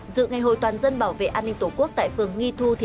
dự ngày hội toàn dân bảo vệ an ninh tổ quốc tại phường nghi thu